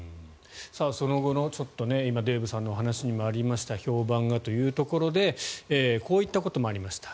その後のちょっと今デーブさんのお話にもありました評判がというところでこういったこともありました。